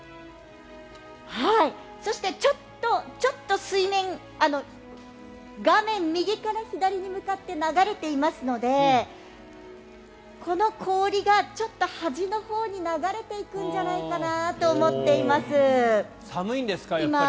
そして、ちょっと水面画面右から左に向かって流れていますのでこの氷がちょっと端のほうに流れていくんじゃないかなとみています。